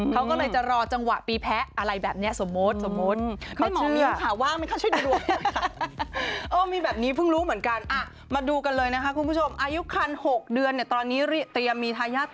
เขาก็เลยจะรอจังหวะปีแพ้อะไรแบบนี้